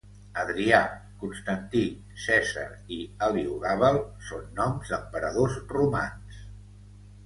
Adrià, Constantí, Cèsar i Heliogàbal són noms d'emperadors romans.